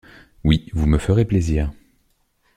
Oui, vous me ferez plaisir.